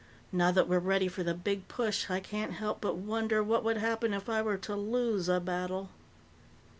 Now that we're ready for the big push, I can't help but wonder what would happen if I were to lose a battle."